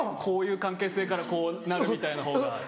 こういう関係性からこうなるみたいなほうが。